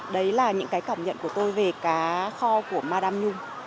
đấy là những cái cảm nhận của tôi về cá kho của ma đam nhung